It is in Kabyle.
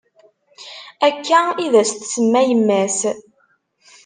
Akka id as-tsemma yemm-as.